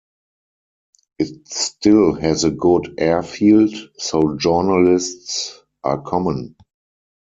It still has a good airfield, so journalists are common.